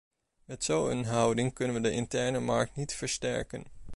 Met zo'n houding kunnen we de interne markt niet versterken.